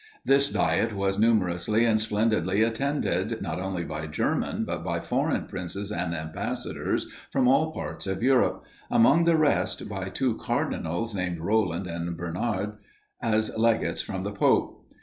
This Diet was numerously and splendidly attended, not only by German but by foreign princes and ambassadors from all parts of Europe; among the rest, by two cardinals, namely, Roland and Bernard, as legates from the pope.